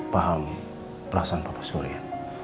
paham perasaan papa surya